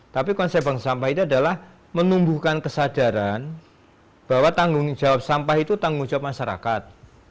tapi konsep bang sampah ini adalah menumbuhkan kesadaran bahwa tanggung jawab sampah itu tanggung jawab masyarakat